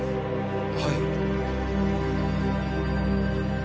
はい。